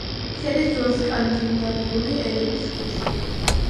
შედის ძველსკანდინავიური ენების ჯგუფში.